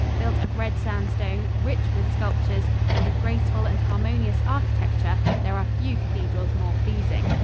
Built of red sandstone, rich with sculptures and of graceful and harmonious architecture, there are few cathedrals more pleasing.